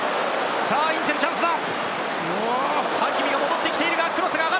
さあインテル、チャンスだ。